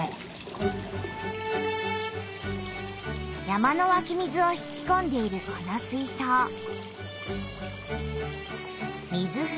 山のわき水を引きこんでいるこの水そう。